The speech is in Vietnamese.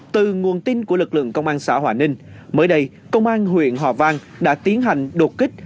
từ nguồn tin của lực lượng công an xã hòa ninh mới đây công an huyện hòa vang đã tiến hành đột kích